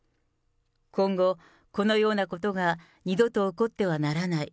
今後、このようなことが二度と起こってはならない。